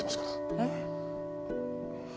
えっ？